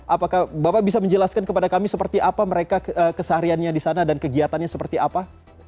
apakah bapak bisa menjelaskan kepada kami seperti apa mereka kesehariannya di sana dan kegiatannya seperti apa